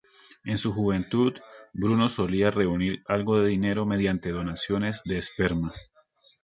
En su juventud, Bruno solía reunir algo de dinero mediante donaciones de esperma.